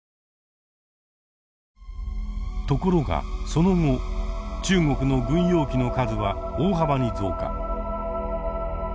ところがその後中国の軍用機の数は大幅に増加。